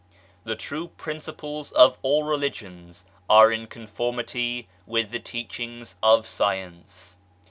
The true principles of all Religions are in conformity with the teachings of Science.